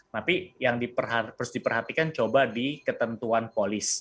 tapi yang harus diperhatikan coba di ketentuan polis